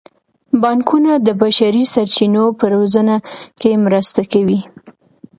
بانکونه د بشري سرچینو په روزنه کې مرسته کوي.